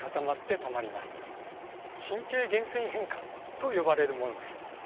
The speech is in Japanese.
神経原線維変化と呼ばれるものです。